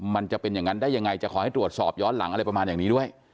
มันจะเป็นอย่างนั้นได้ยังไงจะขอให้ตรวจสอบย้อนหลังอะไรประมาณอย่างนี้ด้วย